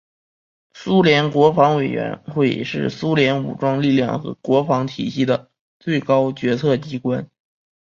苏联国防委员会是苏联武装力量和国防体系的最高决策机关。